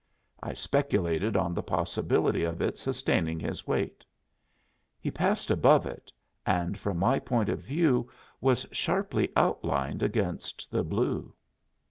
I speculated on the possibility of it sustaining his weight. He passed above it, and from my point of view was sharply outlined against the blue.